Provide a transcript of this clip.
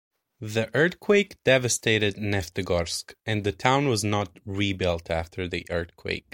The earthquake devastated Neftegorsk, and the town was not rebuilt after the earthquake.